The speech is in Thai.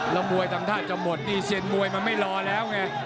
แล้วมวยทำท่าจะหมดนี่เซียนมวยมันไม่รอแล้วไง